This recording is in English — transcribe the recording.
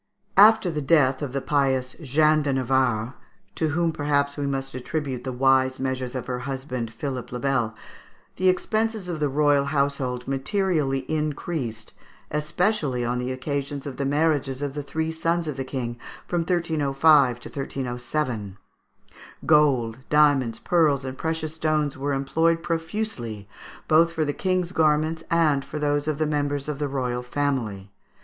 ] After the death of the pious Jeanne de Navarre, to whom perhaps we must attribute the wise measures of her husband, Philip le Bel, the expenses of the royal household materially increased, especially on the occasions of the marriages of the three young sons of the King, from 1305 to 1307. Gold, diamonds, pearls, and precious stones were employed profusely, both for the King's garments and for those of the members of the royal family.